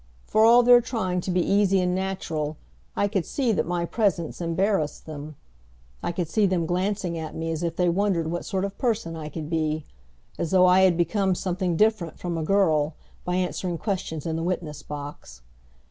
For all their trying to be easy and natural, I could see that my presence embarrassed them. I could see them glancing at me as if they wondered what sort of person I could be as though I had become something different from a girl by answering questions in the witness box.